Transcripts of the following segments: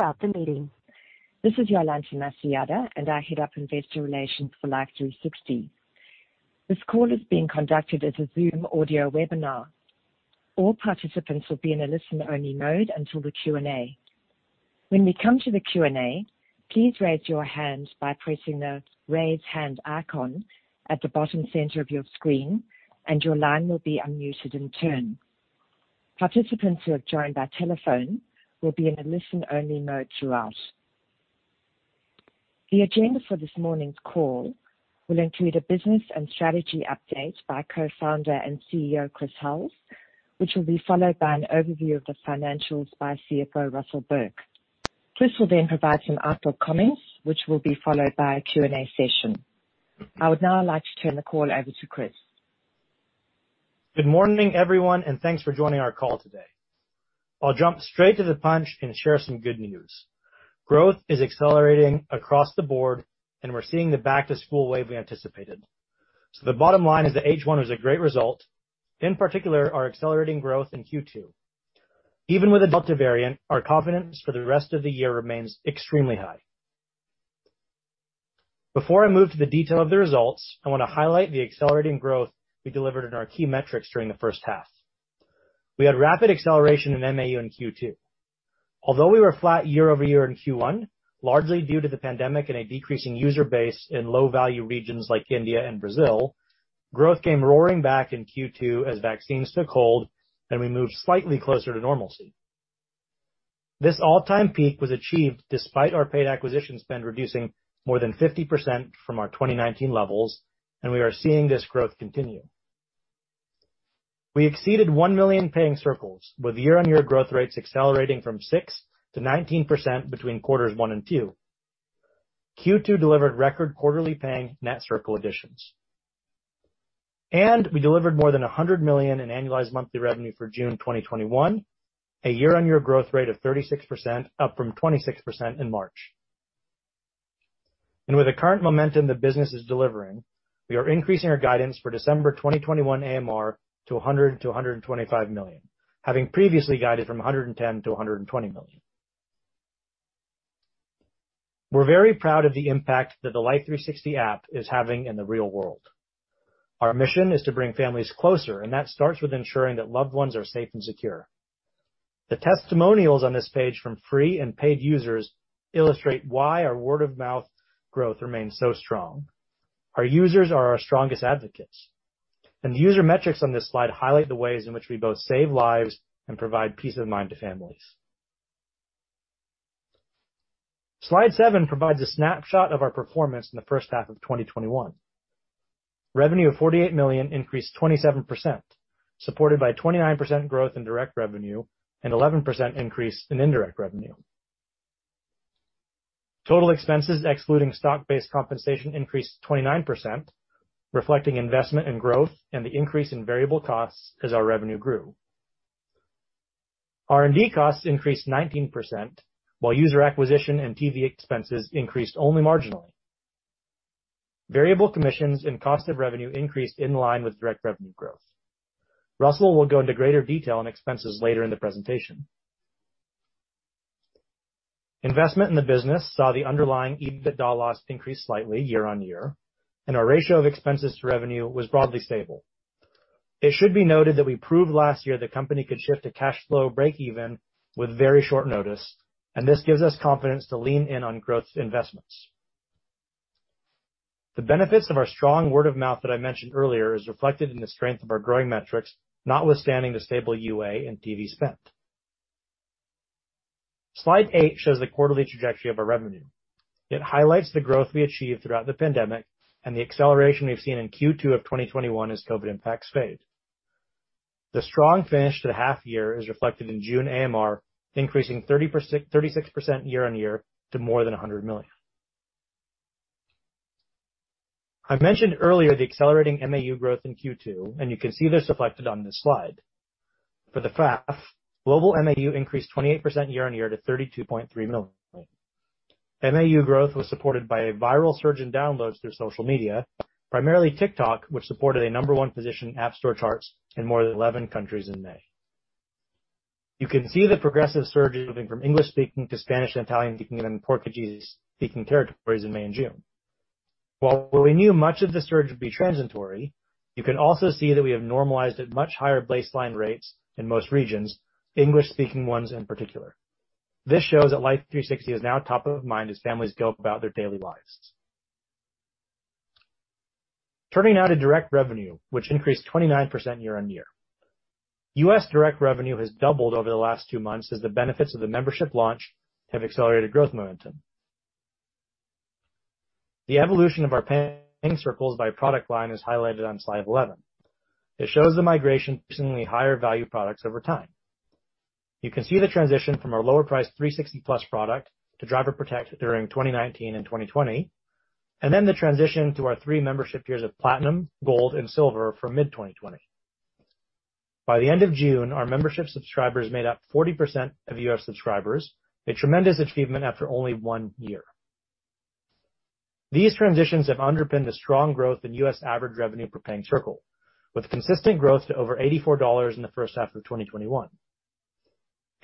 Welcome to the meeting. This is Jolanta Masojada, and I head up investor relations for Life360. This call is being conducted as a Zoom audio webinar. All participants will be in a listen-only mode until the Q&A. When we come to the Q&A, please raise your hands by pressing the Raise Hand icon at the bottom center of your screen, and your line will be unmuted in turn. Participants who have joined by telephone will be in a listen-only mode throughout. The agenda for this morning's call will include a business and strategy update by co-founder and CEO Chris Hulls, which will be followed by an overview of the financials by CFO Russell Burke. Chris will then provide some outlook comments, which will be followed by a Q&A session. I would now like to turn the call over to Chris. Good morning, everyone, and thanks for joining our call today. I'll jump straight to the punch and share some good news. Growth is accelerating across the board, and we're seeing the back-to-school wave we anticipated. The bottom line is that H1 was a great result. In particular, our accelerating growth in Q2. Even with a Delta variant, our confidence for the rest of the year remains extremely high. Before I move to the detail of the results, I want to highlight the accelerating growth we delivered in our key metrics during the first half. We had rapid acceleration in MAU in Q2. Although we were flat year-over-year in Q1, largely due to the pandemic and a decreasing user base in low-value regions like India and Brazil, growth came roaring back in Q2 as vaccines took hold and we moved slightly closer to normalcy. This all-time peak was achieved despite our paid acquisition spend reducing more than 50% from our 2019 levels, and we are seeing this growth continue. We exceeded 1 million paying circles, with year-on-year growth rates accelerating from 6%-19% between quarters one and two. Q2 delivered record quarterly paying net circle additions. We delivered more than $100 million in annualized monthly revenue for June 2021, a year-on-year growth rate of 36%, up from 26% in March. With the current momentum the business is delivering, we are increasing our guidance for December 2021 AMR to $100 million-$125 million, having previously guided from $110 million-$120 million. We're very proud of the impact that the Life360 app is having in the real world. Our mission is to bring families closer, and that starts with ensuring that loved ones are safe and secure. The testimonials on this page from free and paid users illustrate why our word of mouth growth remains so strong. Our users are our strongest advocates, and the user metrics on this slide highlight the ways in which we both save lives and provide peace of mind to families. Slide 7 provides a snapshot of our performance in the first half of 2021. Revenue of $48 million increased 27%, supported by 29% growth in direct revenue and 11% increase in indirect revenue. Total expenses excluding stock-based compensation increased 29%, reflecting investment and growth and the increase in variable costs as our revenue grew. R&D costs increased 19%, while user acquisition and TV expenses increased only marginally. Variable commissions and cost of revenue increased in line with direct revenue growth. Russell will go into greater detail on expenses later in the presentation. Investment in the business saw the underlying EBITDA loss increase slightly year-on-year, and our ratio of expenses to revenue was broadly stable. It should be noted that we proved last year the company could shift to cash flow breakeven with very short notice, and this gives us confidence to lean in on growth investments. The benefits of our strong word of mouth that I mentioned earlier is reflected in the strength of our growing metrics, notwithstanding the stable UA and TV spend. Slide 8 shows the quarterly trajectory of our revenue. It highlights the growth we achieved throughout the pandemic and the acceleration we've seen in Q2 of 2021 as COVID impacts fade. The strong finish to the half year is reflected in June AMR, increasing 36% year-on-year to more than $100 million. I mentioned earlier the accelerating MAU growth in Q2, and you can see this reflected on this slide. For the half, global MAU increased 28% year-on-year to 32.3 million. MAU growth was supported by a viral surge in downloads through social media, primarily TikTok, which supported a number one position in app store charts in more than 11 countries in May. You can see the progressive surge moving from English-speaking to Spanish-speaking and Italian-speaking and Portuguese-speaking territories in May and June. While we knew much of the surge would be transitory, you can also see that we have normalized at much higher baseline rates in most regions, English-speaking ones in particular. This shows that Life360 is now top of mind as families go about their daily lives. Turning now to direct revenue, which increased 29% year-on-year. U.S. direct revenue has doubled over the last two months as the benefits of the membership launch have accelerated growth momentum. The evolution of our paying circles by product line is highlighted on Slide 11. It shows the migration to seemingly higher value products over time. You can see the transition from our lower-priced Life360 Plus product to Driver Protect during 2019 and 2020, and then the transition to our three membership tiers of Platinum, Gold, and Silver from mid-2020. By the end of June, our membership subscribers made up 40% of U.S. subscribers, a tremendous achievement after only one year. These transitions have underpinned the strong growth in U.S. average revenue per paying circle, with consistent growth to over $84 in the first half of 2021.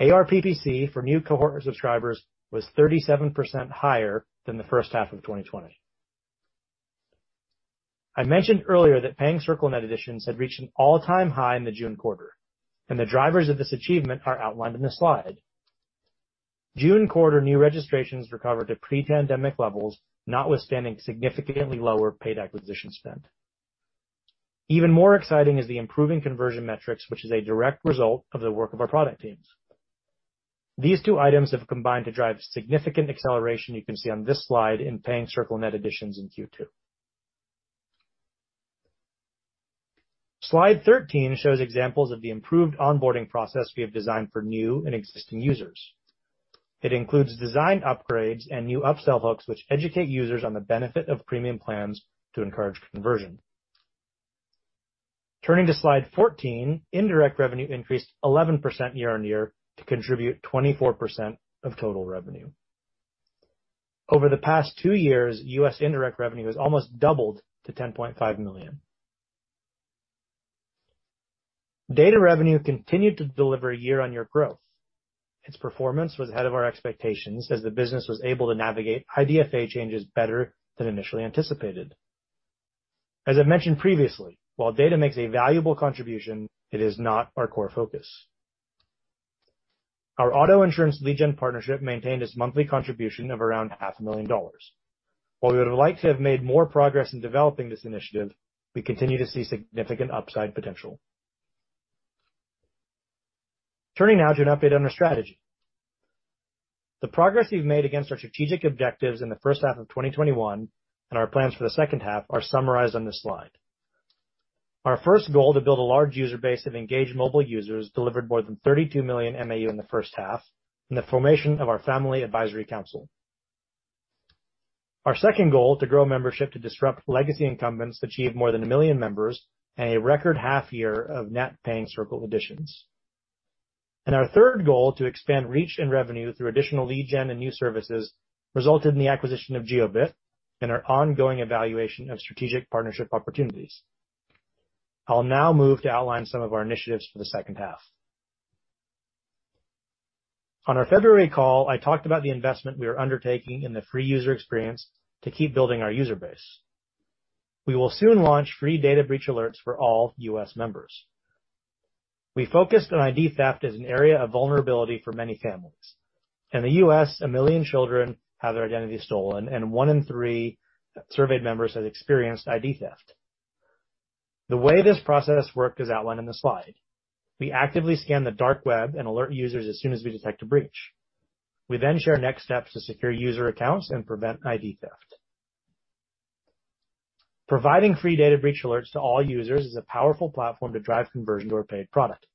ARPPC for new cohort subscribers was 37% higher than the first half of 2020. I mentioned earlier that paying circle net additions had reached an all-time high in the June quarter, and the drivers of this achievement are outlined in this slide. June quarter new registrations recovered to pre-pandemic levels, notwithstanding significantly lower paid acquisition spend. Even more exciting is the improving conversion metrics, which is a direct result of the work of our product teams. These two items have combined to drive significant acceleration you can see on this slide in paying circle net additions in Q2. Slide 13 shows examples of the improved onboarding process we have designed for new and existing users. It includes design upgrades and new upsell hooks, which educate users on the benefit of premium plans to encourage conversion. Turning to Slide 14, indirect revenue increased 11% year-on-year to contribute 24% of total revenue. Over the past two years, U.S. indirect revenue has almost doubled to $10.5 million. Data revenue continued to deliver year-on-year growth. Its performance was ahead of our expectations as the business was able to navigate IDFA changes better than initially anticipated. As I mentioned previously, while data makes a valuable contribution, it is not our core focus. Our auto insurance lead gen partnership maintained its monthly contribution of around half a million dollars. While we would have liked to have made more progress in developing this initiative, we continue to see significant upside potential. Turning now to an update on our strategy. The progress we've made against our strategic objectives in the first half of 2021 and our plans for the second half are summarized on this slide. Our first goal, to build a large user base of engaged mobile users, delivered more than 32 million MAU in the first half and the formation of our Family Advisory Council. Our second goal, to grow membership to disrupt legacy incumbents, achieved more than 1 million members and a record half-year of net paying circle additions. Our third goal, to expand reach and revenue through additional lead generation and new services, resulted in the acquisition of Jiobit and our ongoing evaluation of strategic partnership opportunities. I'll now move to outline some of our initiatives for the second half. On our February call, I talked about the investment we are undertaking in the free user experience to keep building our user base. We will soon launch free data breach alerts for all U.S. members. We focused on ID theft as an area of vulnerability for many families. In the U.S., 1 million children have their identity stolen, and one in three surveyed members has experienced ID theft. The way this process worked is outlined in the slide. We actively scan the dark web and alert users as soon as we detect a breach. We then share next steps to secure user accounts and prevent ID theft. Providing free data breach alerts to all users is a powerful platform to drive conversion to our paid product,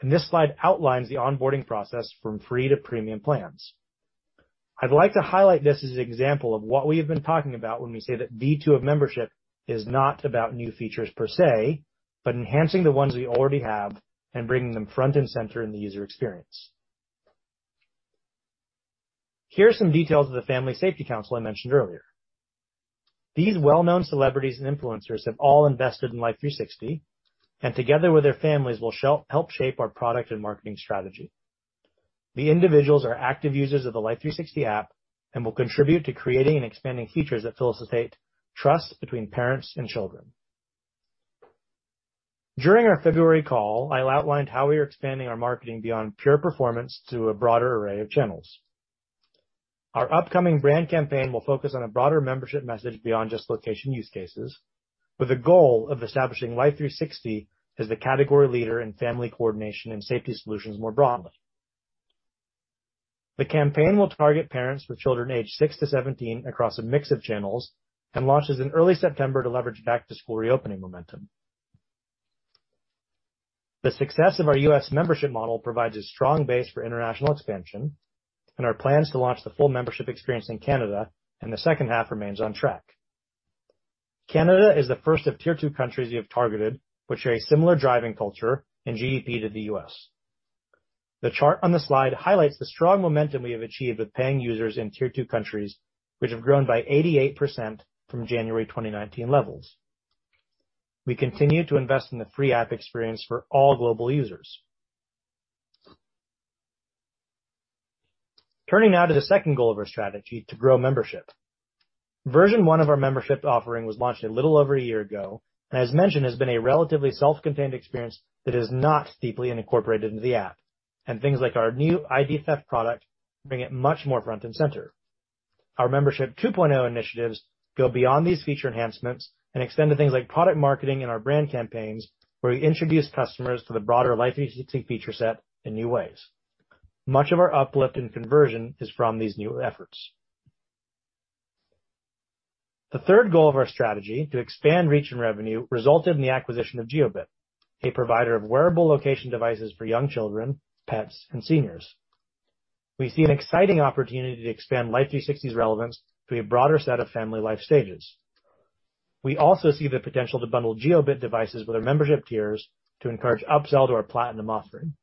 and this slide outlines the onboarding process from free-to-premium plans. I'd like to highlight this as an example of what we have been talking about when we say that Membership 2.0 is not about new features per se, but enhancing the ones we already have and bringing them front and center in the user experience. Here are some details of the Family Safety Council I mentioned earlier. These well-known celebrities and influencers have all invested in Life360, and together with their families, will help shape our product and marketing strategy. The individuals are active users of the Life360 app and will contribute to creating and expanding features that facilitate trust between parents and children. During our February call, I outlined how we are expanding our marketing beyond pure performance to a broader array of channels. Our upcoming brand campaign will focus on a broader membership message beyond just location use cases, with a goal of establishing Life360 as the category leader in family coordination and safety solutions more broadly. The campaign will target parents with children aged six to 17 across a mix of channels and launches in early September to leverage back-to-school reopening momentum. The success of our U.S. membership model provides a strong base for international expansion and our plans to launch the full membership experience in Canada in the second half remains on track. Canada is the first of Tier 2 countries we have targeted, which share a similar driving culture and GDP to the U.S. The chart on the slide highlights the strong momentum we have achieved with paying users in Tier 2 countries, which have grown by 88% from January 2019 levels. We continue to invest in the free app experience for all global users. Turning now to the second goal of our strategy to grow membership. Version 1 of our membership offering was launched a little over one year ago, as mentioned, has been a relatively self-contained experience that is not deeply incorporated into the app. Things like our new ID theft product bring it much more front and center. Our Membership 2.0 initiatives go beyond these feature enhancements and extend to things like product marketing and our brand campaigns, where we introduce customers to the broader Life360 feature set in new ways. Much of our uplift in conversion is from these new efforts. The third goal of our strategy to expand reach and revenue resulted in the acquisition of Jiobit, a provider of wearable location devices for young children, pets, and seniors. We see an exciting opportunity to expand Life360's relevance to a broader set of family life stages. We also see the potential to bundle Jiobit devices with our membership tiers to encourage upsell to our Platinum offering.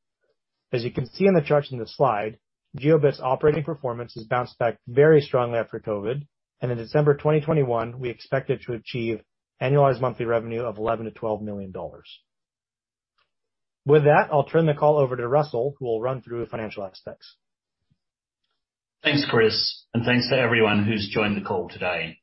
As you can see in the charts in the slide, Jiobit's operating performance has bounced back very strongly after COVID-19, and in December 2021, we expect it to achieve annualized monthly revenue of $11 million-$12 million. With that, I'll turn the call over to Russell, who will run through the financial aspects. Thanks, Chris, and thanks to everyone who's joined the call today.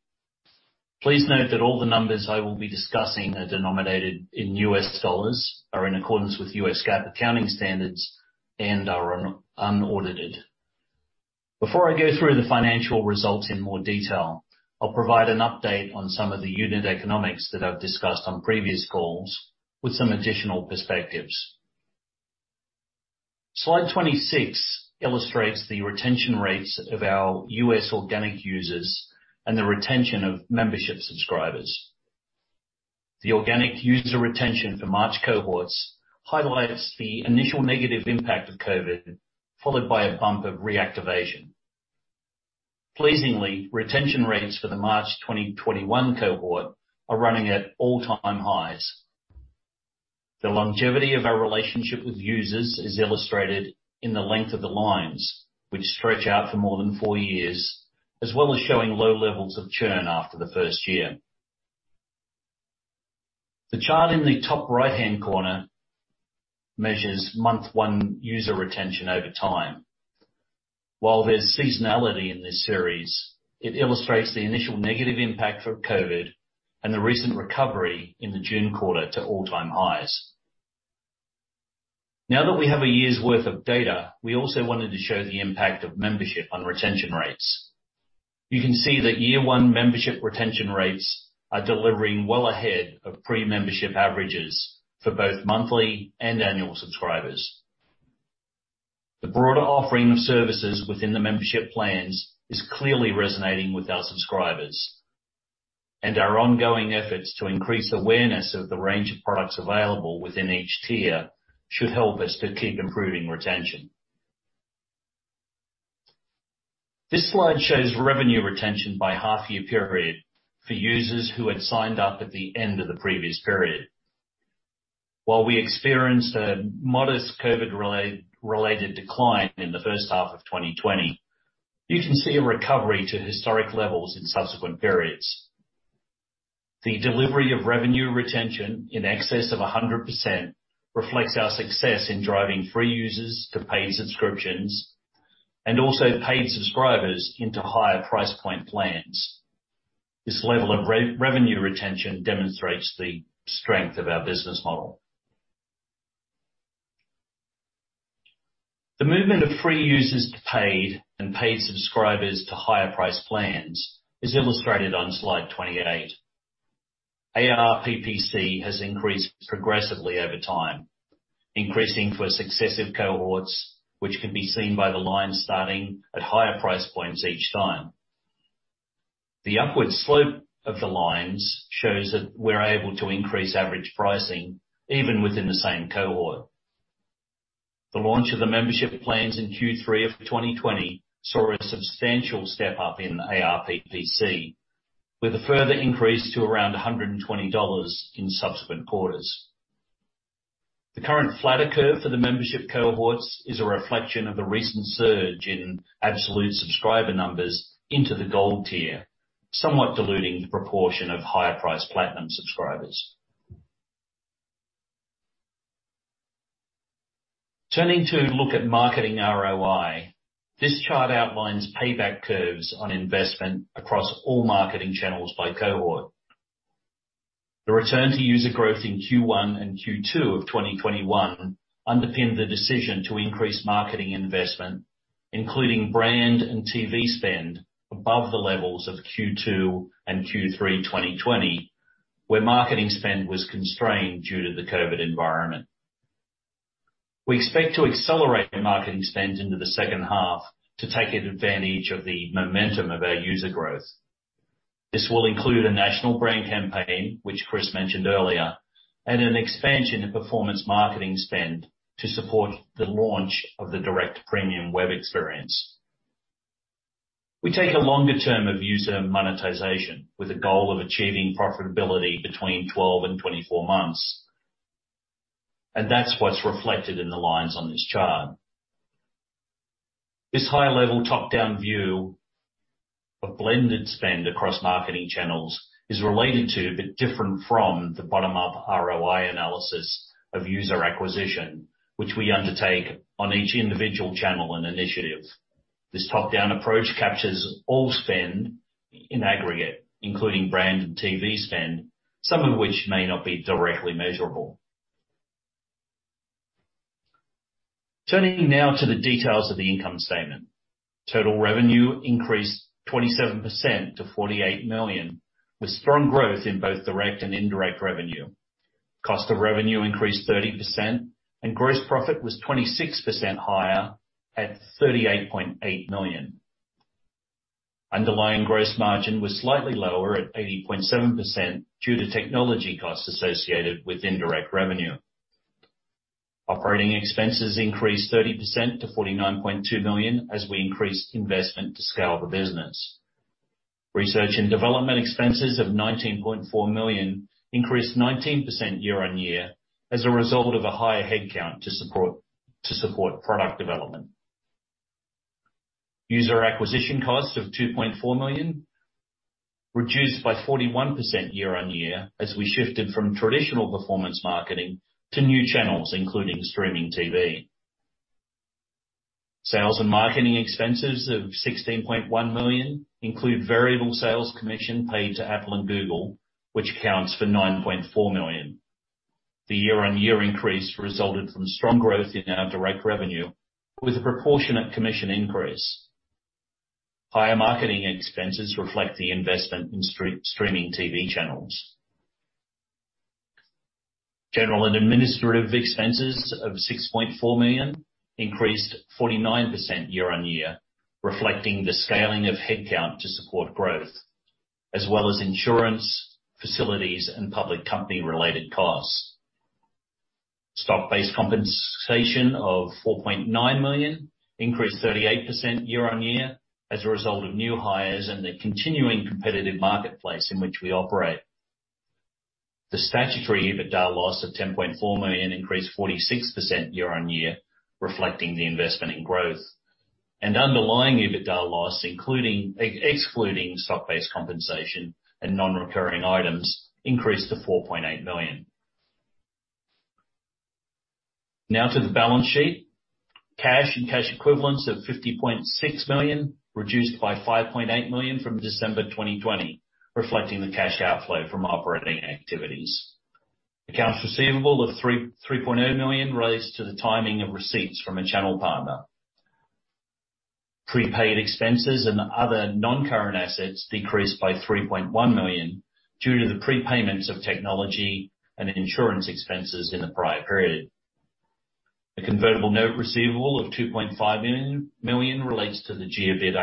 Please note that all the numbers I will be discussing are denominated in US dollars, are in accordance with US GAAP accounting standards, and are unaudited. Before I go through the financial results in more detail, I'll provide an update on some of the unit economics that I've discussed on previous calls, with some additional perspectives. Slide 26 illustrates the retention rates of our U.S. organic users and the retention of membership subscribers. The organic user retention for March cohorts highlights the initial negative impact of COVID-19, followed by a bump of reactivation. Pleasingly, retention rates for the March 2021 cohort are running at all-time highs. The longevity of our relationship with users is illustrated in the length of the lines, which stretch out for more than four years, as well as showing low levels of churn after the first year. The chart in the top right-hand corner measures month one user retention over time. While there's seasonality in this series, it illustrates the initial negative impact of COVID-19 and the recent recovery in the June quarter to all-time highs. Now that we have a year's worth of data, we also wanted to show the impact of membership on retention rates. You can see that year one membership retention rates are delivering well ahead of pre-membership averages for both monthly and annual subscribers. The broader offering of services within the membership plans is clearly resonating with our subscribers. Our ongoing efforts to increase awareness of the range of products available within each tier should help us to keep improving retention. This slide shows revenue retention by half-year period for users who had signed up at the end of the previous period. While we experienced a modest COVID-related decline in the first half of 2020, you can see a recovery to historic levels in subsequent periods. The delivery of revenue retention in excess of 100% reflects our success in driving free users to paid subscriptions, and also paid subscribers into higher price point plans. This level of re-revenue retention demonstrates the strength of our business model. The movement of free users to paid and paid subscribers to higher price plans is illustrated on Slide 28. ARPPC has increased progressively over time, increasing for successive cohorts, which can be seen by the line starting at higher-price points each time. The upward slope of the lines shows that we're able to increase average pricing even within the same cohort. The launch of the membership plans in Q3 of 2020 saw a substantial step-up in ARPPC, with a further increase to around $120 in subsequent quarters. The current flatter curve for the membership cohorts is a reflection of the recent surge in absolute subscriber numbers into the Gold tier, somewhat diluting the proportion of higher priced Platinum subscribers. Turning to look at marketing ROI, this chart outlines payback curves on investment across all marketing channels by cohort. The return to user growth in Q1 and Q2 of 2021 underpinned the decision to increase marketing investment, including brand and TV spend above the levels of Q2 and Q3 2020, where marketing spend was constrained due to the COVID environment. We expect to accelerate our marketing spend into the second half to take advantage of the momentum of our user growth. This will include a national brand campaign, which Chris mentioned earlier, and an expansion of performance marketing spend to support the launch of the direct premium web experience. We take a longer term of user monetization with a goal of achieving profitability between 12 and 24 months. That's what's reflected in the lines on this chart. This high-level, top-down view of blended spend across marketing channels is related to, but different from, the bottom-up ROI analysis of user acquisition, which we undertake on each individual channel and initiative. This top-down approach captures all spend in aggregate, including brand and TV spend, some of which may not be directly measurable. Turning now to the details of the income statement. Total revenue increased 27% to $48 million, with strong growth in both direct and indirect revenue. Cost of revenue increased 30%, and gross profit was 26% higher at $38.8 million. Underlying gross margin was slightly lower at 80.7% due to technology costs associated with indirect revenue. Operating expenses increased 30% to $49.2 million as we increased investment to scale the business. Research and development expenses of $19.4 million increased 19% year-on-year as a result of a higher headcount to support product development. User acquisition cost of $2.4 million, reduced by 41% year-on-year as we shifted from traditional performance marketing to new channels, including streaming TV. Sales and marketing expenses of $16.1 million include variable sales commission paid to Apple and Google, which accounts for $9.4 million. The year-on-year increase resulted from strong growth in our direct revenue with a proportionate commission increase. Higher marketing expenses reflect the investment in streaming TV channels. General and administrative expenses of $6.4 million increased 49% year-on-year, reflecting the scaling of headcount to support growth, as well as insurance, facilities, and public company-related costs. Stock-based compensation of $4.9 million increased 38% year-on-year as a result of new hires and the continuing competitive marketplace in which we operate. The statutory EBITDA loss of $10.4 million increased 46% year-on-year, reflecting the investment in growth. Underlying EBITDA loss, excluding stock-based compensation and non-recurring items, increased to $4.8 million. To the balance sheet. Cash and cash equivalents of $50.6 million reduced by $5.8 million from December 2020, reflecting the cash outflow from operating activities. Accounts receivable of $3.8 million relates to the timing of receipts from a channel partner. Prepaid expenses and other non-current assets decreased by $3.1 million due to the prepayments of technology and insurance expenses in the prior period. A convertible note receivable of $2.5 million relates to the Jiobit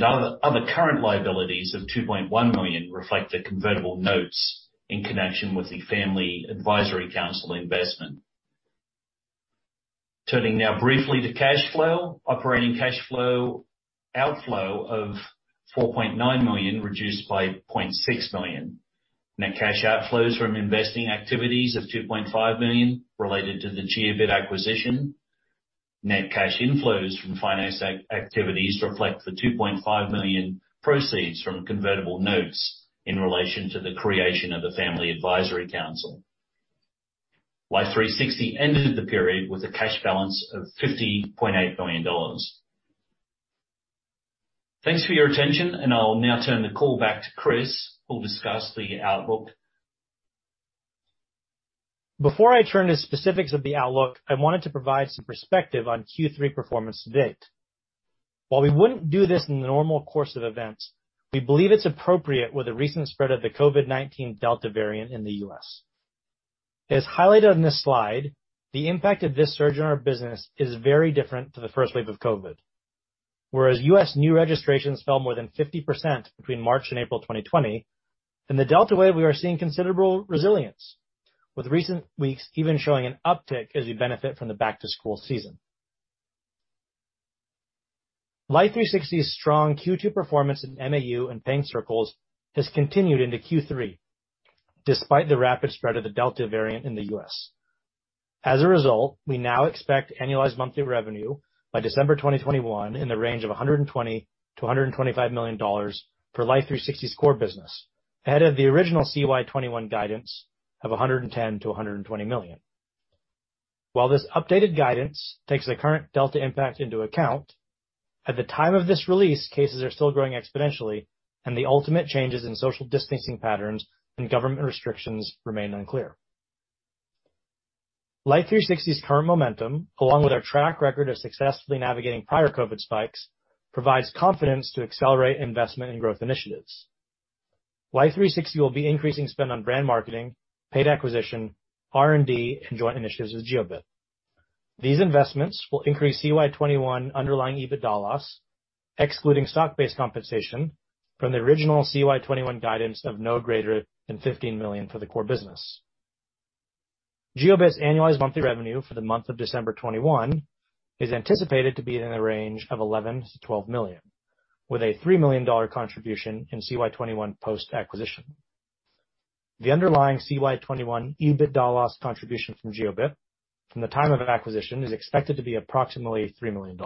acquisition. Other current liabilities of $2.1 million reflect the convertible notes in connection with the Family Safety Assist investment. Turning now briefly to cash flow. Operating cash flow outflow of $4.9 million reduced by $0.6 million. Net cash outflows from investing activities of $2.5 million related to the Jiobit acquisition. Net cash inflows from financing activities reflect the $2.5 million proceeds from convertible notes in relation to the creation of the Family Safety Assist. Life360 ended the period with a cash balance of $50.8 million. Thanks for your attention, and I'll now turn the call back to Chris, who'll discuss the outlook. Before I turn to specifics of the outlook, I wanted to provide some perspective on Q3 performance to date. While we wouldn't do this in the normal course of events, we believe it's appropriate with the recent spread of the COVID-19 Delta variant in the U.S. As highlighted on this slide, the impact of this surge on our business is very different to the first wave of COVID. Whereas U.S. new registrations fell more than 50% between March and April 2020. In the Delta wave, we are seeing considerable resilience, with recent weeks even showing an uptick as we benefit from the back-to-school season. Life360's strong Q2 performance in MAU and paying circles has continued into Q3, despite the rapid spread of the Delta variant in the U.S. As a result, we now expect annualized monthly revenue by December 2021 in the range of $120 million-$125 million for Life360's core business, ahead of the original CY2021 guidance of $110 million-$120 million. While this updated guidance takes the current Delta impact into account, at the time of this release, cases are still growing exponentially, and the ultimate changes in social distancing patterns and government restrictions remain unclear. Life360's current momentum, along with our track record of successfully navigating prior COVID spikes, provides confidence to accelerate investment in growth initiatives. Life360 will be increasing spend on brand marketing, paid acquisition, R&D, and joint initiatives with Jiobit. These investments will increase CY2021 underlying EBITDA loss, excluding stock-based compensation from the original CY2021 guidance of no greater than $15 million for the core business. Jiobit's annualized monthly revenue for the month of December 2021 is anticipated to be in the range of $11 million-$12 million, with a $3 million contribution in CY2021 post-acquisition. The underlying CY2021 EBITDA loss contribution from Jiobit from the time of acquisition is expected to be approximately $3 million.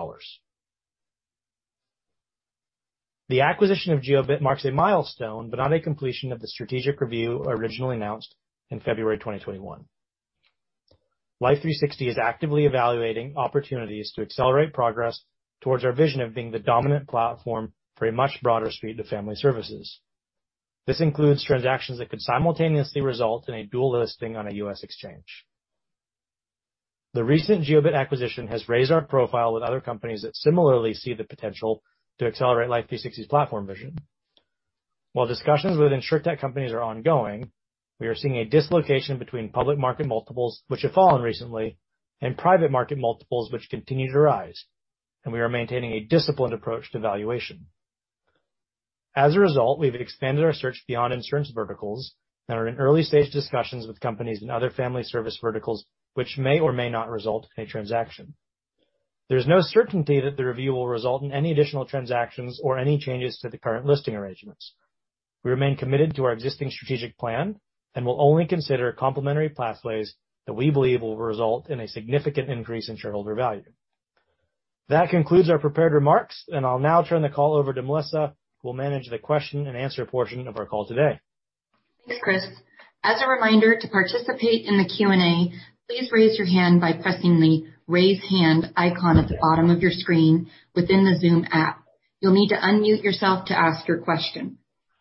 The acquisition of Jiobit marks a milestone, but not a completion of the strategic review originally announced in February 2021. Life360 is actively evaluating opportunities to accelerate progress towards our vision of being the dominant platform for a much broader suite of family services. This includes transactions that could simultaneously result in a dual listing on a U.S. exchange. The recent Jiobit acquisition has raised our profile with other companies that similarly see the potential to accelerate Life360's platform vision. While discussions with Insurtech companies are ongoing, we are seeing a dislocation between public market multiples, which have fallen recently, and private market multiples, which continue to rise. We are maintaining a disciplined approach to valuation. As a result, we've expanded our search beyond insurance verticals and are in early-stage discussions with companies in other family service verticals, which may or may not result in a transaction. There's no certainty that the review will result in any additional transactions or any changes to the current listing arrangements. We remain committed to our existing strategic plan and will only consider complementary pathways that we believe will result in a significant increase in shareholder value. That concludes our prepared remarks. I'll now turn the call over to Melissa, who will manage the question and answer portion of our call today. Thanks, Chris. As a reminder, to participate in the Q&A, please raise your hand by pressing the Raise Hand icon at the bottom of your screen within the Zoom app. You'll need to unmute yourself to ask your question.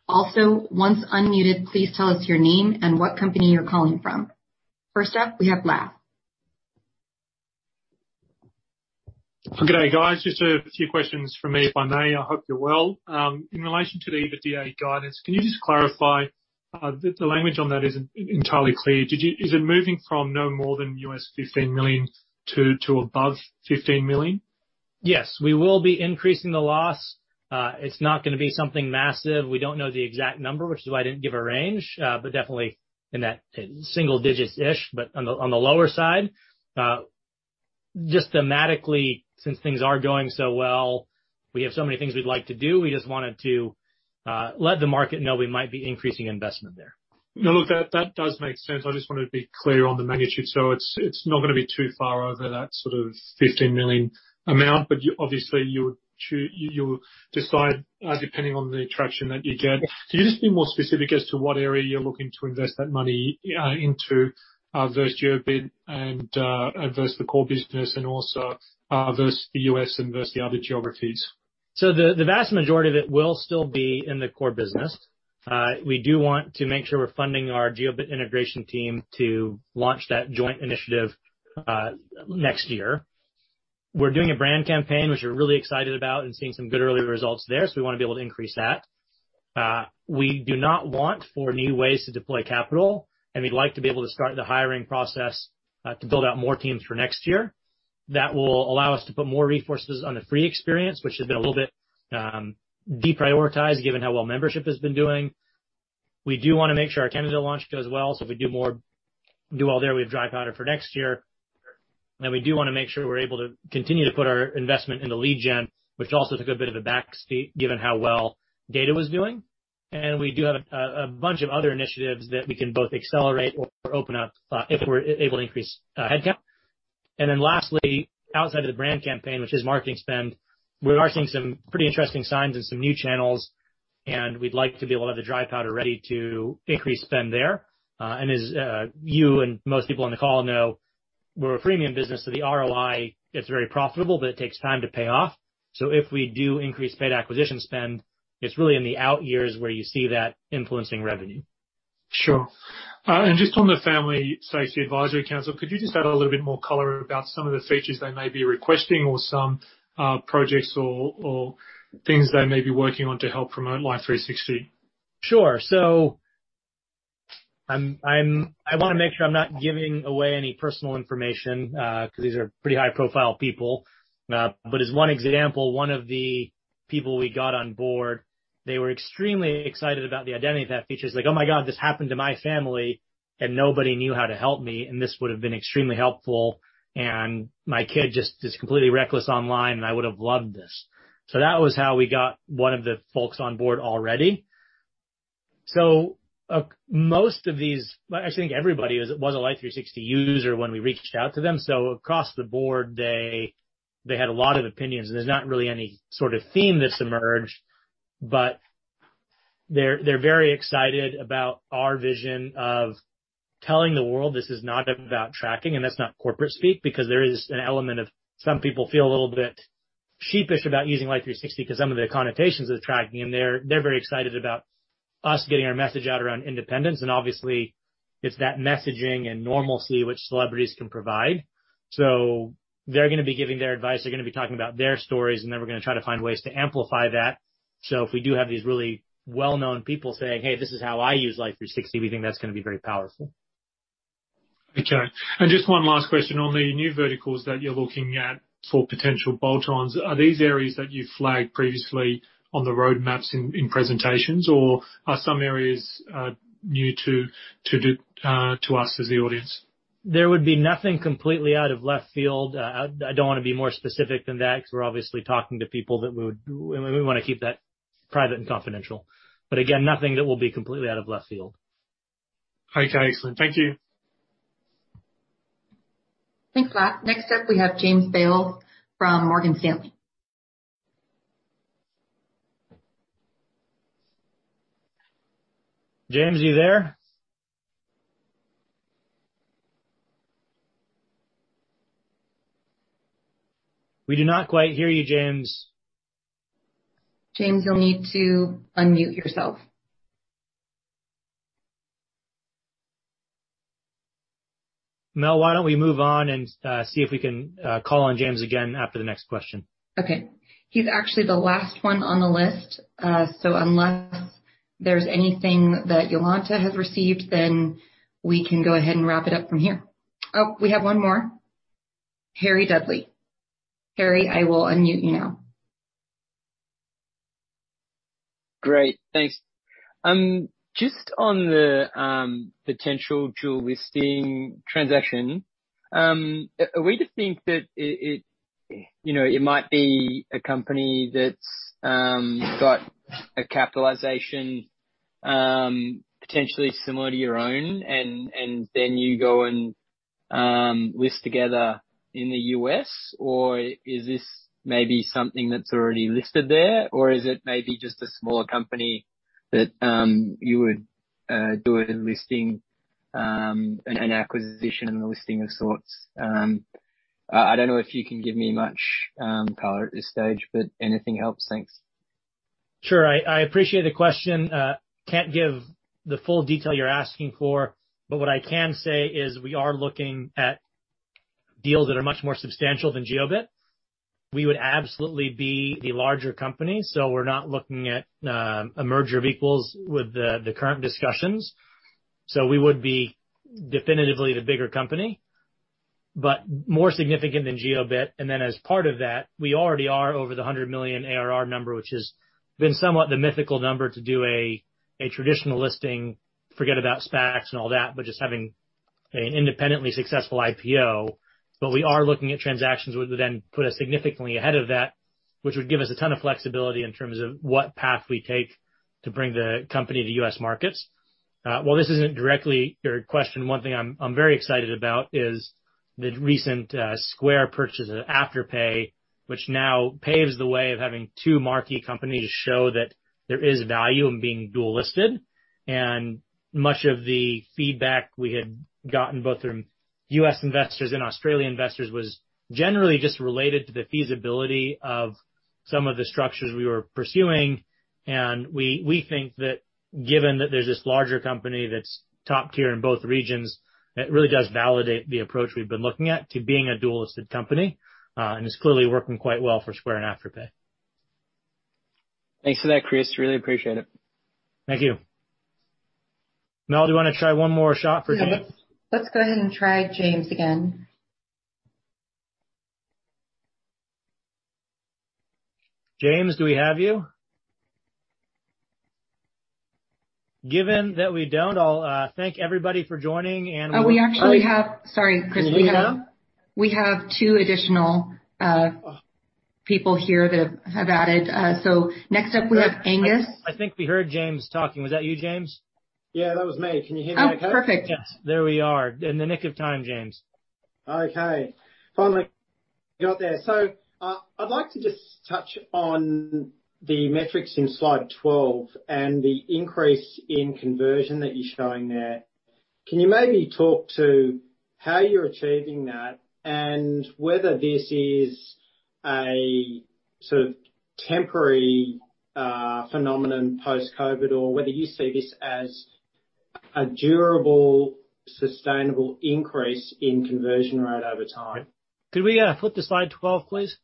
Also, once unmuted, please tell us your name and what company you're calling from. First up, we have Lach. Good day, guys. Just a few questions from me, if I may. I hope you're well. In relation to the IDFA guidance, can you just clarify, the language on that isn't entirely clear. Is it moving from no more than $15 million to above $15 million? Yes. We will be increasing the loss. It's not going to be something massive. We don't know the exact number, which is why I didn't give a range. Definitely in that single digits-ish, but on the lower side. Thematically, since things are going so well, we have so many things we'd like to do. We just wanted to let the market know we might be increasing investment there. No, look, that does make sense. I just wanted to be clear on the magnitude. It's not going to be too far over that sort of $15 million amount, but obviously, you'll decide, depending on the traction that you get. Can you just be more specific as to what area you're looking to invest that money into versus Jiobit and versus the core business, also versus the U.S. and versus the other geographies? The vast majority of it will still be in the core business. We do want to make sure we're funding our Jiobit integration team to launch that joint initiative next year. We're doing a brand campaign, which we're really excited about and seeing some good early results there. We want to be able to increase that. We do not want for new ways to deploy capital, and we'd like to be able to start the hiring process, to build out more teams for next year. That will allow us to put more resources on the free experience, which has been a little bit deprioritized given how well membership has been doing. We do want to make sure our Canada launch goes well. If we do well there, we have dry powder for next year. We do want to make sure we're able to continue to put our investment into lead generation, which also took a bit of a back seat given how well data was doing. We do have a bunch of other initiatives that we can both accelerate or open up if we're able to increase headcount. Lastly, outside of the brand campaign, which is marketing spend, we are seeing some pretty interesting signs in some new channels, and we'd like to be able to have the dry powder ready to increase spend there. As you and most people on the call know, we're a freemium business, so the ROI is very profitable, but it takes time to pay off. If we do increase paid acquisition spend, it's really in the out-years where you see that influencing revenue. Sure. Just on the Family Safety Advisory Council, could you just add a little bit more color about some of the features they may be requesting or some projects or things they may be working on to help promote Life360? Sure. I want to make sure I'm not giving away any personal information, because these are pretty high-profile people. As one example, one of the people we got on board, they were extremely excited about the identity theft features. Like, "Oh, my God, this happened to my family, and nobody knew how to help me, and this would've been extremely helpful. My kid just is completely reckless online, and I would have loved this." That was how we got one of the folks on board already. Most of these, I actually think everybody was a Life360 user when we reached out to them. Across the board, they had a lot of opinions. There's not really any sort of theme that's emerged, but they're very excited about our vision of telling the world this is not about tracking. That's not corporate speak, because there is one element of some people feel a little bit sheepish about using Life360 because some of the connotations of tracking, and they're very excited about us getting our message out around independence. Obviously, it's that messaging and normalcy which celebrities can provide. They're going to be giving their advice, they're going to be talking about their stories, and then we're going to try to find ways to amplify that. If we do have these really well-known people saying, "Hey, this is how I use Life360," we think that's going to be very powerful. Okay. Just one last question on the new verticals that you're looking at for potential bolt-ons. Are these areas that you flagged previously on the roadmaps in presentations, or are some areas new to us as the audience? There would be nothing completely out of left field. I don't want to be more specific than that because we're obviously talking to people that we would want to keep that private and confidential. Again, nothing that will be completely out of left field. Okay, excellent. Thank you. Thanks, Lach. Next up, we have James Bales from Morgan Stanley. James, are you there? We do not quite hear you, James. James, you'll need to unmute yourself. Mel, why don't we move on and see if we can call on James again after the next question? Okay. He's actually the last one on the list. Unless there's anything that Jolanta has received, then we can go ahead and wrap it up from here. Oh, we have one more. Harry Dudley. Harry, I will unmute you now. Great. Thanks. Just on the potential dual listing transaction, are we to think that it might be a company that's got a capitalization potentially similar to your own, and then you go and list together in the U.S., or is this maybe something that's already listed there, or is it maybe just a smaller company that you would do a listing, an acquisition and a listing of sorts? I don't know if you can give me much color at this stage, but anything helps. Thanks. Sure. I appreciate the question. Can't give the full detail you're asking for, but what I can say is we are looking at deals that are much more substantial than Jiobit. We would absolutely be the larger company, so we're not looking at a merger of equals with the current discussions. We would be definitively the bigger company, but more significant than Jiobit. As part of that, we already are over the $100 million ARR number, which has been somewhat the mythical number to do a traditional listing. Forget about SPACs and all that, but just having an independently successful IPO. We are looking at transactions which would then put us significantly ahead of that, which would give us a ton of flexibility in terms of what path we take to bring the company to U.S. markets. While this isn't directly your question, one thing I'm very excited about is the recent Square purchase of Afterpay, which now paves the way of having two marquee companies show that there is value in being dual-listed. Much of the feedback we had gotten, both from U.S. investors and Australian investors, was generally just related to the feasibility of some of the structures we were pursuing. We think that given that there's this larger company that's top-tier in both regions, it really does validate the approach we've been looking at to being a dual-listed company. It's clearly working quite well for Square and Afterpay. Thanks for that, Chris. Really appreciate it. Thank you. Mel, do you want to try one more shot for James? Let's go ahead and try James again. James, do we have you? Given that we don't, I'll thank everybody for joining. Sorry, Chris. Hello? We have two additional people here that have added. Next up, we have Angus. I think we heard James talking. Was that you, James? Yeah, that was me. Can you hear me okay? Oh, perfect. Yes. There we are. In the nick of time, James. Okay. Finally got there. I'd like to just touch on the metrics in Slide 12 and the increase in conversion that you're showing there. Can you maybe talk to how you're achieving that and whether this is a sort of temporary phenomenon post-COVID, or whether you see this as a durable, sustainable increase in conversion rate over time? Could we flip to Slide 12, please?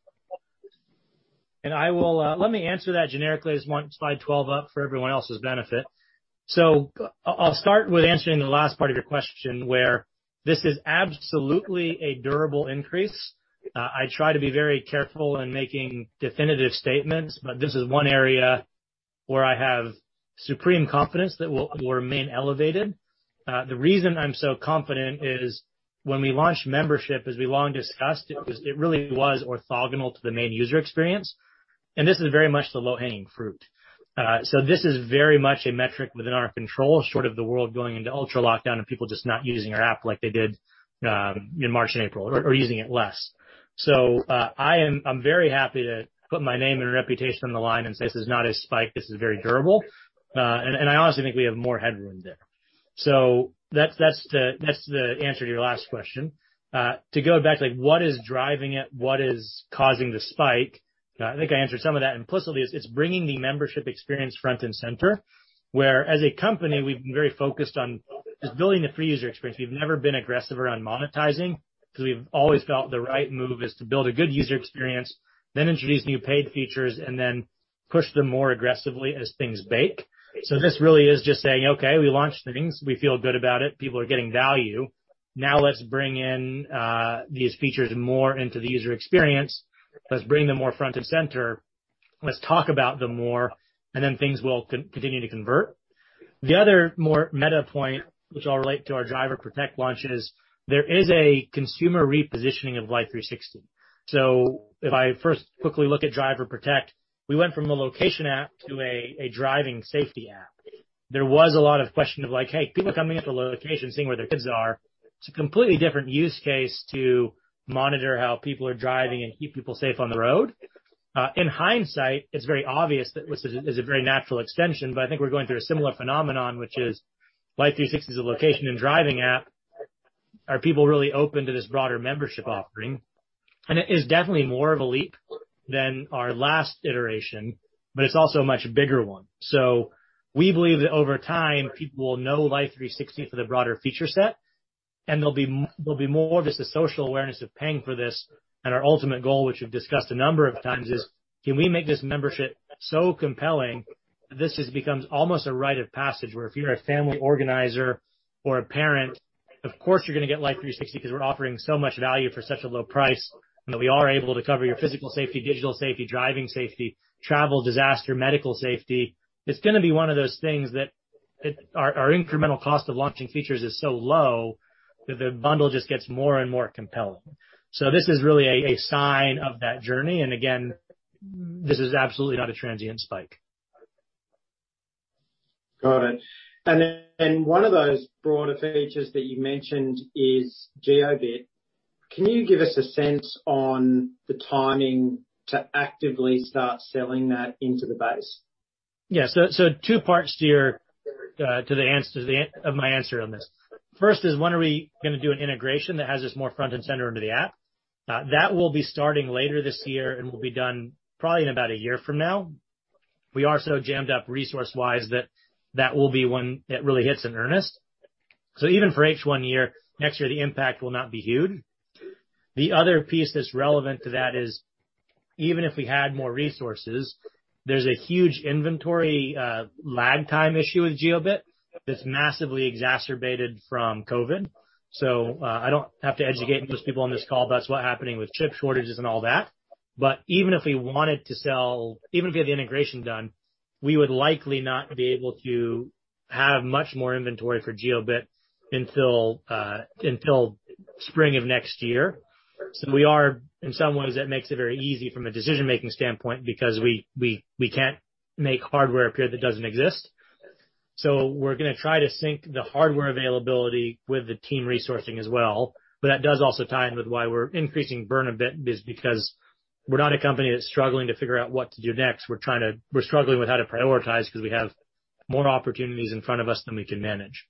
Let me answer that generically as we want Slide 12 up for everyone else's benefit. I'll start with answering the last part of your question, where this is absolutely a durable increase. I try to be very careful in making definitive statements, but this is one area where I have supreme confidence that will remain elevated. The reason I'm so confident is when we launched membership, as we long discussed, it really was orthogonal to the main user experience, and this is very much the low-hanging fruit. This is very much a metric within our control, short of the world going into ultra lockdown and people just not using our app like they did in March and April, or using it less. I'm very happy to put my name and reputation on the line and say, "This is not a spike; This is very durable." I honestly think we have more headroom there. That's the answer to your last question. To go back to what is driving it, what is causing the spike, I think I answered some of that implicitly. It's bringing the membership experience front and center, where as a company, we've been very focused on just building the free user experience. We've never been aggressive around monetizing, because we've always felt the right move is to build a good user experience, then introduce new paid features, and then push them more aggressively as things bake. This really is just saying, "Okay, we launched things. We feel good about it. People are getting value. Now let's bring in these features more into the user experience." Let's bring them more front and center. Let's talk about them more, and then things will continue to convert. The other more meta-point, which I'll relate to our Driver Protect launch, is there is a consumer repositioning of Life360. If I first quickly look at Driver Protect, we went from a location app to a driving safety app. There was a lot of question of like, hey, people coming into a location, seeing where their kids are. It's a completely different use case to monitor how people are driving and keep people safe on the road. In hindsight, it's very obvious that this is a very natural extension, but I think we're going through a similar phenomenon, which is Life360 is a location and driving app. Are people really open to this broader membership offering? It is definitely more of a leap than our last iteration, but it's also a much bigger one. We believe that over time, people will know Life360 for the broader feature set, and there'll be more of a social awareness of paying for this. Our ultimate goal, which we've discussed a number of times, is can we make this membership so compelling that this becomes almost a rite of passage, where if you're a family organizer or a parent, of course, you're going to get Life360 because we're offering so much value for such a low price, and that we are able to cover your physical safety, digital safety, driving safety, travel, disaster, medical safety. It's going to be one of those things that our incremental cost of launching features is so low that the bundle just gets more and more compelling. This is really a sign of that journey. Again, this is absolutely not a transient spike. Got it. One of those broader features that you mentioned is Jiobit. Can you give us a sense on the timing to actively start selling that into the base? Two parts to my answer on this. First is, when are we going to do an integration that has this more front and center into the app? That will be starting later this year and will be done probably in about a year from now. We are so jammed up resource-wise that will be when it really hits in earnest. Even for H1 year, next year, the impact will not be huge. The other piece that's relevant to that is, even if we had more resources, there's a huge inventory lag time issue with Jiobit that's massively exacerbated from COVID. I don't have to educate most people on this call, but that's what's happening with chip shortages and all that. Even if we had the integration done, we would likely not be able to have much more inventory for Jiobit until spring of next year. In some ways, that makes it very easy from a decision-making standpoint because we can't make hardware appear that doesn't exist. We're going to try to sync the hardware availability with the team resourcing as well. That does also tie in with why we're increasing burn a bit is because we're not a company that's struggling to figure out what to do next. We're struggling with how to prioritize because we have more opportunities in front of us than we can manage.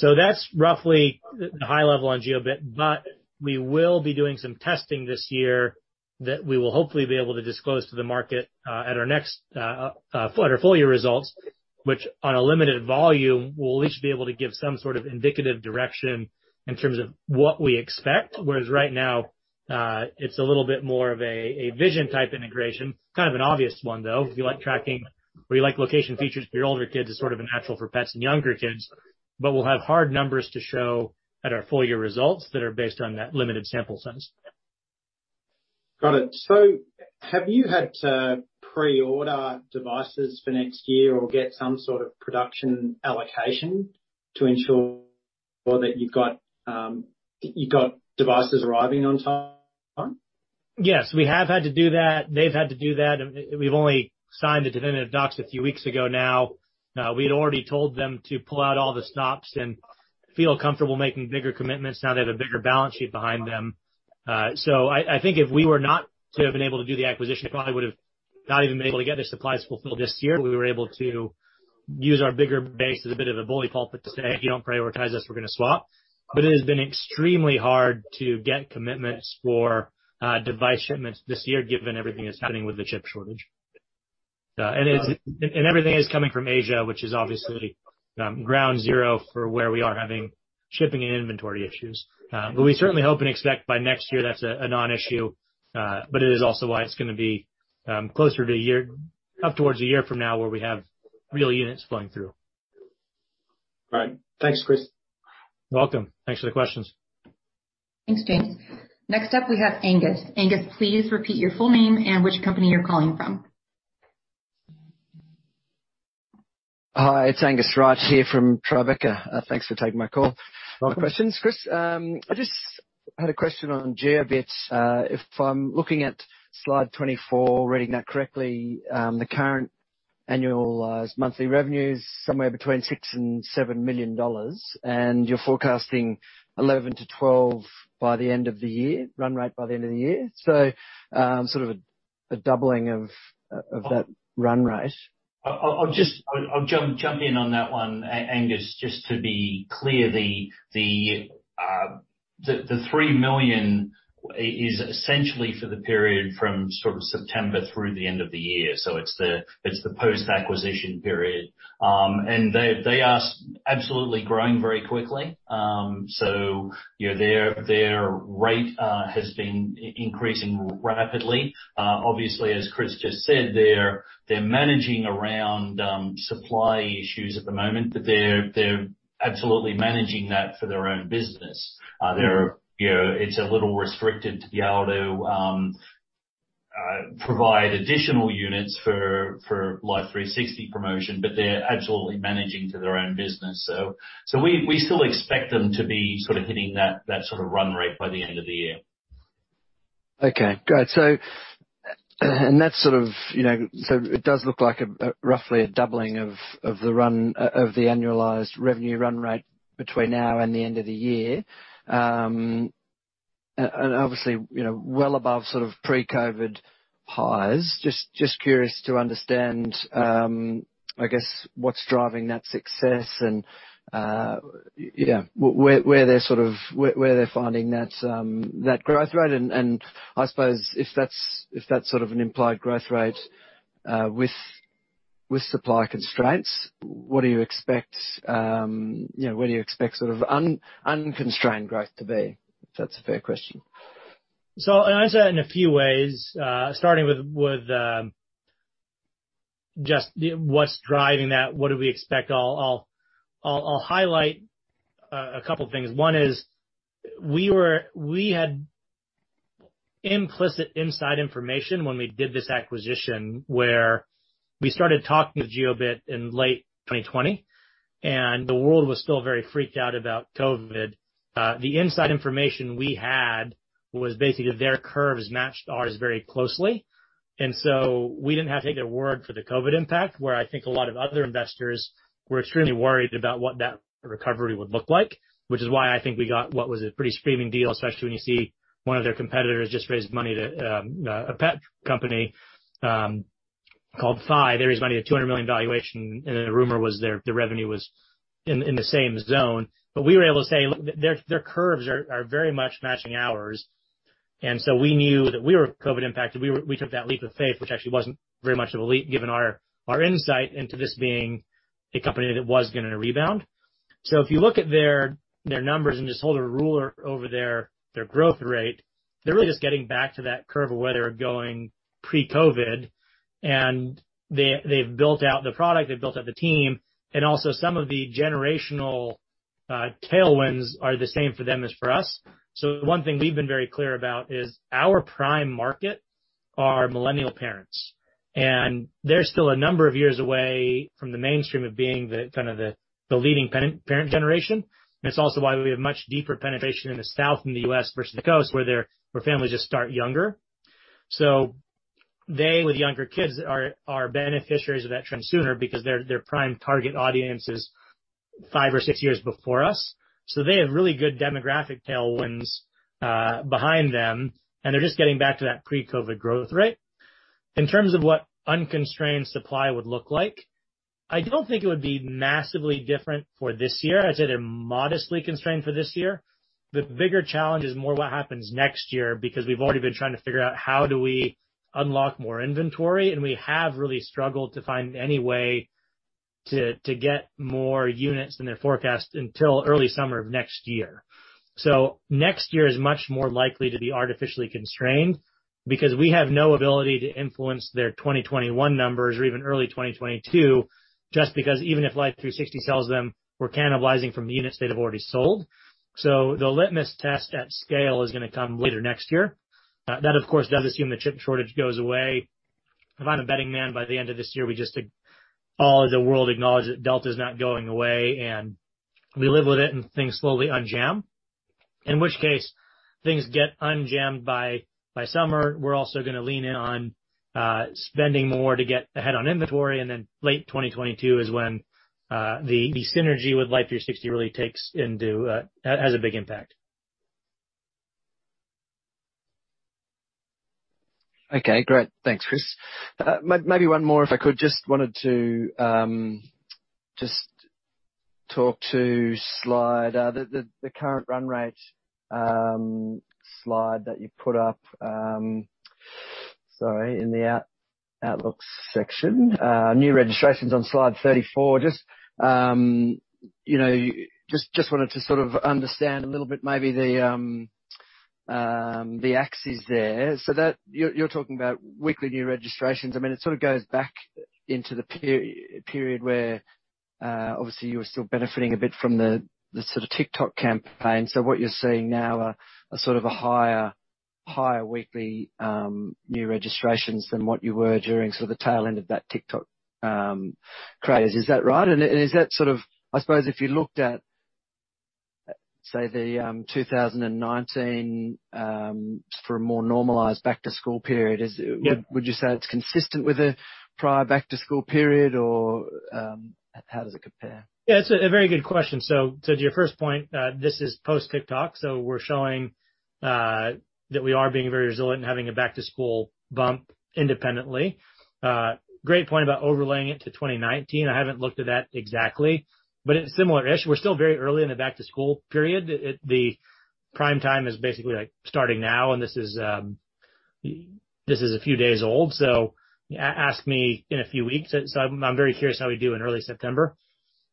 That's roughly the high level on Jiobit, but we will be doing some testing this year that we will hopefully be able to disclose to the market at our full year results, which on a limited volume will at least be able to give some sort of indicative direction in terms of what we expect. Whereas right now, it's a little bit more of a vision type integration. It's kind of an obvious one, though. If you like tracking or you like location features for your older kids, it's sort of a natural for pets and younger kids. We'll have hard numbers to show at our full year results that are based on that limited sample set. Got it. Have you had to pre-order devices for next year or get some sort of production allocation to ensure that you've got devices arriving on time? Yes, we have had to do that. They've had to do that. We've only signed the definitive docs a few weeks ago now. We'd already told them to pull out all the stops and feel comfortable making bigger commitments now they have a bigger balance sheet behind them. I think if we were not to have been able to do the acquisition, we probably would have not even been able to get their supplies fulfilled this year. We were able to use our bigger base as a bit of a bully pulpit to say, "If you don't prioritize us, we're going to swap." It has been extremely hard to get commitments for device shipments this year given everything that's happening with the chip shortage. Everything is coming from Asia, which is obviously ground zero for where we are having shipping and inventory issues. We certainly hope and expect by next year that's a non-issue. It is also why it's going to be closer to a year, up towards a year from now where we have real units flowing through. Right. Thanks, Chris. You're welcome. Thanks for the questions. Thanks, James. Next up we have Angus. Angus, please repeat your full name and which company you're calling from. Hi, it's Angus Wright here from Tribeca. Thanks for taking my call. Welcome. For questions, Chris, I just had a question on Jiobit. If I'm looking at Slide 24, reading that correctly, the current annual monthly revenue is somewhere between $6 million and $7 million, and you're forecasting $11 million-$12 million run rate by the end of the year. Sort of a doubling of that run rate. I'll jump in on that one, Angus. Just to be clear, the $3 million is essentially for the period from sort of September through the end of the year. It's the post-acquisition period. They are absolutely growing very quickly. Their rate has been increasing rapidly. Obviously, as Chris just said, they're managing around supply issues at the moment, but they're absolutely managing that for their own business. It's a little restricted to be able to provide additional units for Life360 promotion, but they're absolutely managing to their own business. We still expect them to be sort of hitting that sort of run rate by the end of the year. Okay, good. It does look like roughly a doubling of the annualized revenue run rate between now and the end of the year. Obviously well above sort of pre-COVID-19 highs. Just curious to understand, I guess, what's driving that success and where they're finding that growth rate and, I suppose, if that's sort of an implied growth rate with supply constraints, what do you expect unconstrained growth to be? If that's a fair question. I'd say that in a few ways, starting with just what's driving that, what do we expect? I'll highlight a couple of things. One is, we had implicit inside information when we did this acquisition where we started talking to Jiobit in late 2020, and the world was still very freaked out about COVID. The inside information we had was basically their curves matched ours very closely. We didn't have to take their word for the COVID impact, where I think a lot of other investors were extremely worried about what that recovery would look like, which is why I think we got what was a pretty screaming deal, especially when you see one of their competitors just raised money to, a pet company, called Fi. They raised money at $200 million valuation, and the rumor was their revenue was in the same zone. We were able to say their curves are very much matching ours, and so we knew that we were COVID-19 impacted. We took that leap of faith, which actually wasn't very much of a leap given our insight into this being a company that was going to rebound. If you look at their numbers and just hold a ruler over their growth rate, they're really just getting back to that curve of where they were going pre-COVID-19, and they've built out the product, they've built out the team, and also some of the generational tailwinds are the same for them as for us. One thing we've been very clear about is our prime market are millennial parents, and they're still a number of years away from the mainstream of being the leading parent generation. It's also why we have much deeper penetration in the South, in the U.S. versus the coast, where families just start younger. They, with younger kids, are beneficiaries of that trend sooner because their prime target audience is five or six years before us. They have really good demographic tailwinds behind them, and they're just getting back to that pre-COVID growth rate. In terms of what unconstrained supply would look like, I don't think it would be massively different for this year. I'd say they're modestly constrained for this year. The bigger challenge is more what happens next year, because we've already been trying to figure out how do we unlock more inventory, and we have really struggled to find any way to get more units than their forecast until early summer of next year. Next year is much more likely to be artificially constrained because we have no ability to influence their 2021 numbers or even early 2022, just because even if Life360 sells them, we're cannibalizing from units they've already sold. The litmus test at scale is going to come later next year. That, of course, does assume the chip shortage goes away. If I'm a betting man, by the end of this year, we just all the world acknowledge that Delta's not going away, and we live with it and things slowly unjam, in which case things get unjammed by summer. We're also going to lean in on spending more to get ahead on inventory, then late 2022 is when the synergy with Life360 really has a big impact. Okay, great. Thanks, Chris. Maybe one more if I could. Just wanted to just talk to the current run rate slide that you put up, sorry, in the outlook section. New registrations on Slide 34. Just wanted to sort of understand a little bit maybe the axes there. You're talking about weekly new registrations. It sort of goes back into the period where obviously you were still benefiting a bit from the TikTok campaign. What you're seeing now are sort of a higher weekly new registrations than what you were during the tail end of that TikTok craze. Is that right? Yep. Would you say it's consistent with a prior back-to-school period, or how does it compare? Yeah, it's a very good question. To your first point, this is post-TikTok. We're showing that we are being very resilient in having a back-to-school bump independently. Great point about overlaying it to 2019. I haven't looked at that exactly, but it's similar-ish. We're still very early in the back-to-school period. The prime time is basically starting now, and this is a few days old. Ask me in a few weeks. I'm very curious how we do in early September.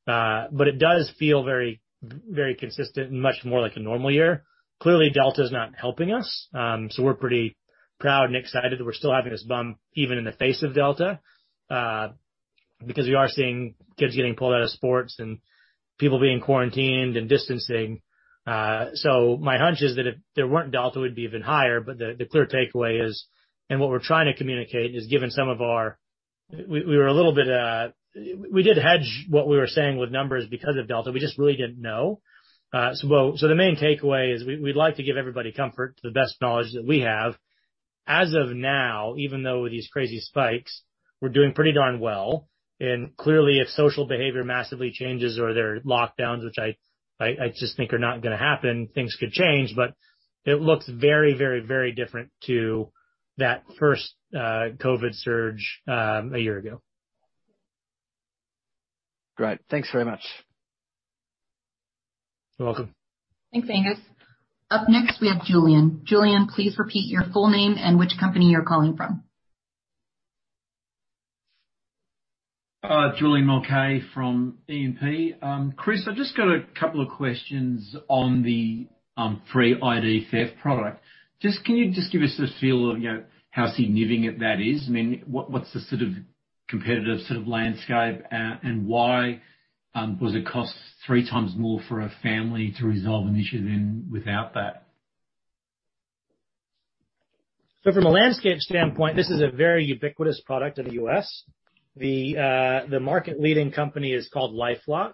It does feel very consistent and much more like a normal year. Delta's not helping us, so we're pretty proud and excited that we're still having this bump even in the face of Delta, because we are seeing kids getting pulled out of sports and people being quarantined and distancing. My hunch is that if there weren't Delta, it would be even higher. The clear takeaway is, and what we're trying to communicate is we did hedge what we were saying with numbers because of Delta. We just really didn't know. The main takeaway is we'd like to give everybody comfort to the best knowledge that we have. As of now, even though with these crazy spikes, we're doing pretty darn well. Clearly, if social behavior massively changes or there are lockdowns, which I just think are not going to happen, things could change, but it looks very different to that first COVID-19 surge one year ago. Great. Thanks very much. You're welcome. Thanks, Angus. Up next, we have Julian. Julian, please repeat your full name and which company you're calling from. Hi, Julian Mulcahy from E&P. Chris, I've just got a couple of questions on the free ID theft product. Can you just give us a feel of how significant that is? What's the competitive landscape, and why does it cost three times more for a family to resolve an issue than without that? From a landscape standpoint, this is a very ubiquitous product in the U.S. The market-leading company is called LifeLock.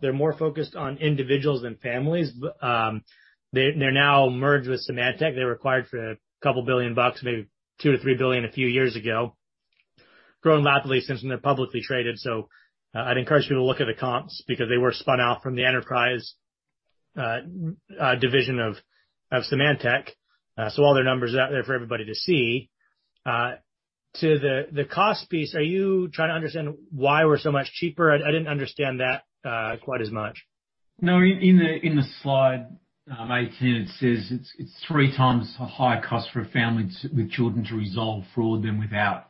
They're more focused on individuals than families, but they're now merged with Symantec. They were acquired for a couple billion bucks, maybe $2 billion-$3 billion a few years ago, growing rapidly since, and they're publicly traded. I'd encourage people to look at the comps because they were spun out from the enterprise division of Symantec. All their numbers are out there for everybody to see. To the cost piece, are you trying to understand why we're so much cheaper? I didn't understand that quite as much. No, in the Slide, 18, it says it's three times the higher cost for a family with children to resolve fraud than without.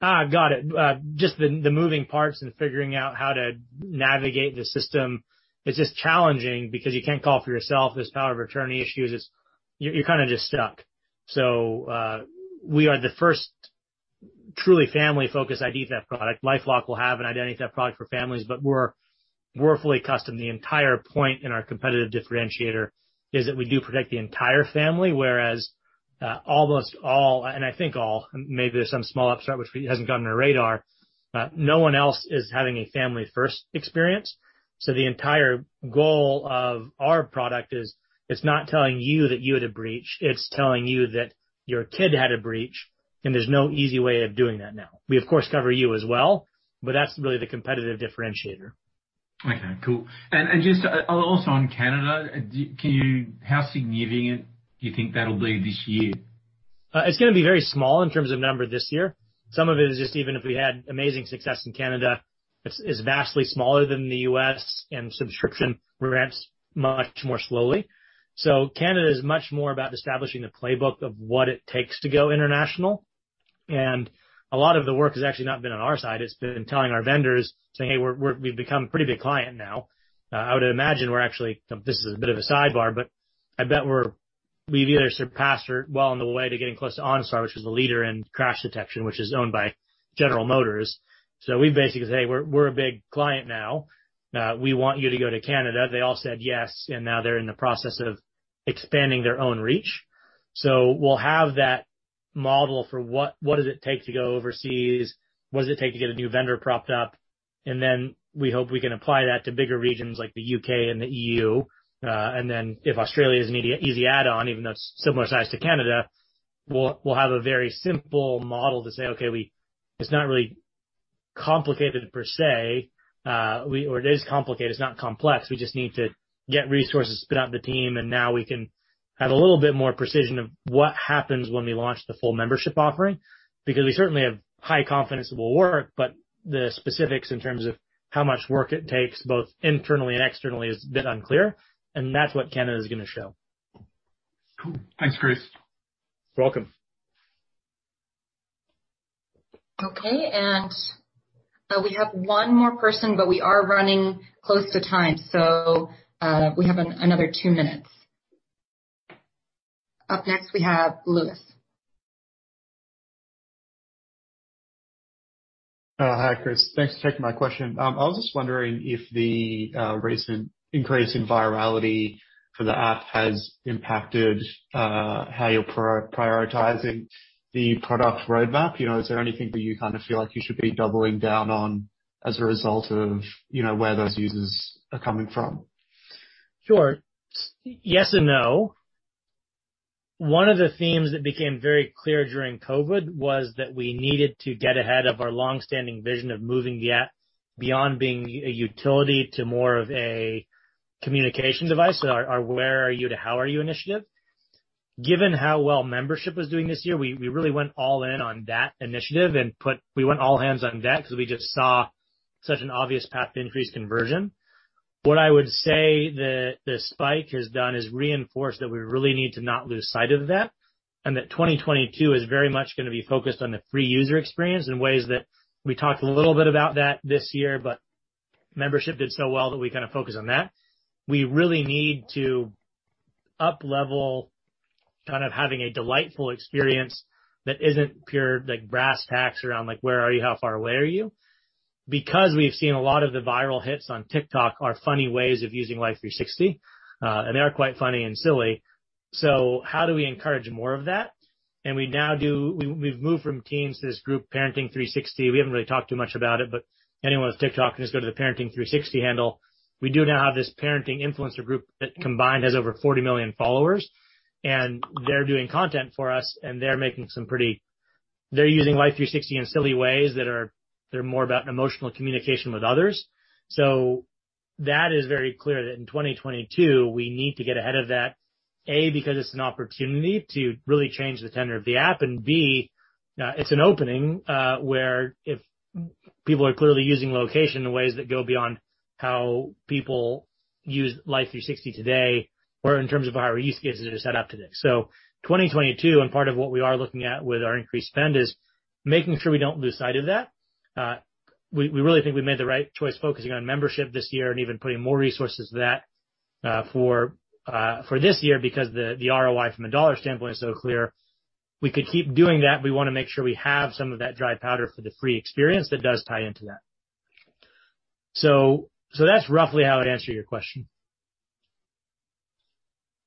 Got it. Just the moving parts and figuring out how to navigate the system is just challenging because you can't call for yourself. There's power of attorney issues. You're kind of just stuck. We are the first truly family-focused ID theft product. LifeLock will have an identity theft product for families, but we're fully accustomed. The entire point in our competitive differentiator is that we do protect the entire family, whereas almost all, and I think all, maybe there's some small upstart which hasn't gotten on our radar, no one else is having a family-first experience. The entire goal of our product is, it's not telling you that you had a breach. It's telling you that your kid had a breach, and there's no easy way of doing that now. We, of course, cover you as well, but that's really the competitive differentiator. Okay, cool. Just also on Canada, how significant do you think that'll be this year? It's going to be very small in terms of number this year. Some of it is just even if we had amazing success in Canada, it's vastly smaller than the U.S., subscription ramps much more slowly. Canada is much more about establishing the playbook of what it takes to go international. A lot of the work has actually not been on our side. It's been telling our vendors, saying, "Hey, we've become pretty big client now." I would imagine we're actually, this is a bit of a sidebar, I bet we've either surpassed or well on the way to getting close to OnStar, which is the leader in crash detection, which is owned by General Motors. We basically say, "We're a big client now. We want you to go to Canada." They all said yes, and now they're in the process of expanding their own reach. We'll have that model for what does it take to go overseas, what does it take to get a new vendor propped up, and then we hope we can apply that to bigger regions like the U.K. and the E.U. If Australia is an easy add-on, even though it's similar size to Canada, we'll have a very simple model to say, okay, it's not really complicated per se. It is complicated, it's not complex. We just need to get resources, spin up the team, and now we can have a little bit more precision of what happens when we launch the full membership offering. We certainly have high confidence it will work, but the specifics in terms of how much work it takes, both internally and externally, is a bit unclear, and that's what Canada is going to show. Cool. Thanks, Chris. You're welcome. Okay. We have one more person, but we are running close to time, so we have another two minutes. Up next, we have Lewis. Hi, Chris. Thanks for taking my question. I was just wondering if the recent increase in virality for the app has impacted how you're prioritizing the product roadmap. Is there anything that you feel like you should be doubling down on as a result of where those users are coming from? Sure. Yes and no. One of the themes that became very clear during COVID-19 was that we needed to get ahead of our longstanding vision of moving beyond being a utility to more of a communication device. Our Where Are You to How Are You initiative. Given how well membership was doing this year, we really went all in on that initiative and we went all hands on deck because we just saw such an obvious path to increased conversion. What I would say the spike has done is reinforce that we really need to not lose sight of that, and that 2022 is very much going to be focused on the free user experience in ways that we talked a little bit about that this year, but membership did so well that we focused on that. We really need to up-level, kind of having a delightful experience that isn't pure brass tacks around like, Where are you? How far away are you? Because we've seen a lot of the viral hits on TikTok are funny ways of using Life360, and they are quite funny and silly. How do we encourage more of that? We've moved from teams to this group, Parenting360. We haven't really talked too much about it, but anyone with TikTok can just go to the Parenting360 handle. We do now have this parenting influencer group that combined has over 40 million followers, and they're doing content for us, and they're making some they're using Life360 in silly ways that are more about emotional communication with others. That is very clear that in 2022, we need to get ahead of that, A, because it's an opportunity to really change the tenor of the app, and B, it's an opening, where if people are clearly using location in ways that go beyond how people use Life360 today, or in terms of how our use cases are set up today. 2022, and part of what we are looking at with our increased spend is making sure we don't lose sight of that. We really think we made the right choice focusing on membership this year and even putting more resources to that for this year because the ROI from a dollar standpoint is so clear. We could keep doing that, but we want to make sure we have some of that dry powder for the free experience that does tie into that. That's roughly how I'd answer your question.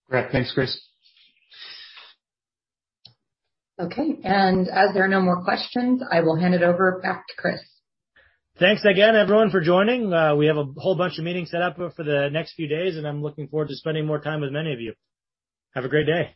Great. Thanks, Chris. Okay. As there are no more questions, I will hand it over back to Chris. Thanks again, everyone, for joining. We have a whole bunch of meetings set up for the next few days, and I'm looking forward to spending more time with many of you. Have a great day.